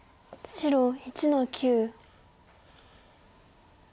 白４の九。